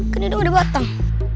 kan hidung ada batang